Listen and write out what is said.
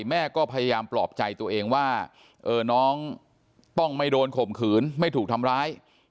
แม่ก็พยายามปลอบใจตัวเองว่าน้องต้องไม่โดนข่มขืนไม่ถูกทำร้าย